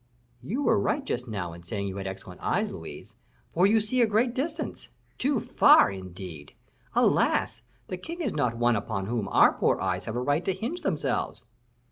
"You were right just now in saying you had excellent eyes, Louise, for you see a great distance; too far, indeed. Alas! the king is not one upon whom our poor eyes have a right to hinge themselves."